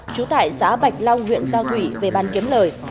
trú tại xã bạch long huyện giao thủy về bàn kiếm lời